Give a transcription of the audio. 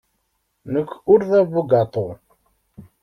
Nekk ur d abugaṭu.